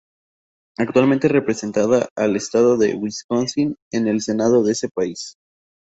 Actualmente representada al estado de Wisconsin en el Senado de ese país.